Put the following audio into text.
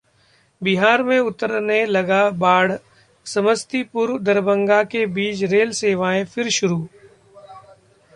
बिहार में उतरने लगा बाढ़, समस्तीपुर-दरभंगा के बीच रेल सेवाएं फिर शुरू